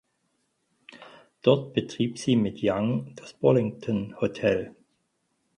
Dort betrieb sie mit Young das Burlington Hotel.